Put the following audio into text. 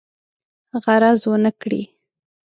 غرض ونه کړي.